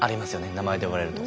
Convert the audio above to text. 名前で呼ばれると。